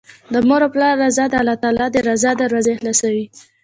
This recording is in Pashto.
د مور او پلار رضا د الله تعالی د رضا دروازې خلاصوي